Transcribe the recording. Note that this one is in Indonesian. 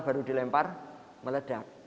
baru dilempar meledak